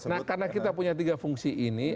nah karena kita punya tiga fungsi ini